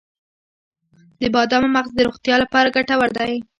د بادامو مغز د روغتیا لپاره ګټور دی.